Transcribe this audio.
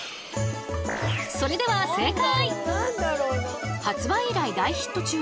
それでは正解！